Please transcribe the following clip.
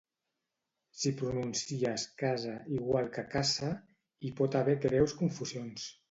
Si pronuncies casa igual que caça hi pot haver greus confusions